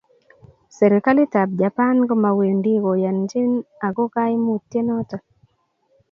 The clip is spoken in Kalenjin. Serikalitab Japan komawendi koyanjin ako kaimutienotok.